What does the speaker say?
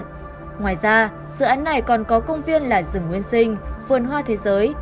ngoài ra dự án này còn có công viên là rừng nguyên sinh vườn hoa thế giới